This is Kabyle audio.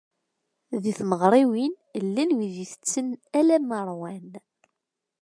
Di tmeɣriwin, llan wid itetten alamma ṛwan.